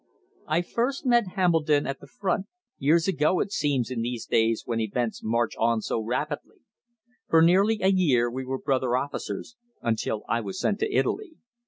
I first met Hambledon at the front years ago it seems in these days when events march on so rapidly. For nearly a year we were brother officers, until I was sent to Italy.